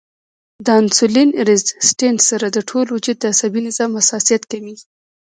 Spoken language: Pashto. د انسولين ريزسټنس سره د ټول وجود د عصبي نظام حساسیت کميږي